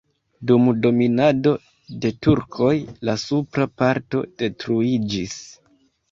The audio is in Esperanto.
Dum dominado de turkoj la supra parto detruiĝis.